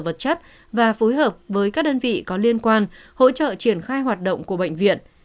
vật chất và phối hợp với các đơn vị có liên quan hỗ trợ triển khai hoạt động của bệnh viện